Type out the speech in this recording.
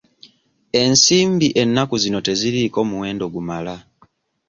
Ensimbi ennaku zino teziriiko muwendo gumala.